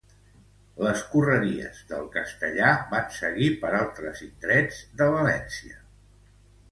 Les correries del castellà van seguir per altres indrets de València.